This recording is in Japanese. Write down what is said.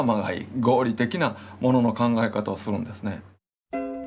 合理的なものの考え方をするんですね。